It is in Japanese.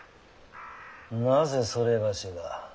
なぜ某が。